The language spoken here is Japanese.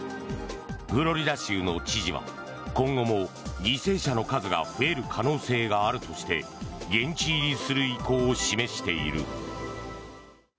フロリダ州の知事は今後も犠牲者の数が増える可能性があるとして現地入りする意向を示している。